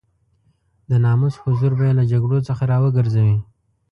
د ناموس حضور به يې له جګړو څخه را وګرځوي.